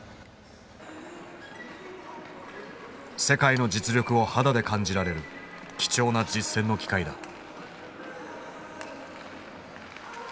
世界の実力を肌で感じられる貴重な実戦の機会だ。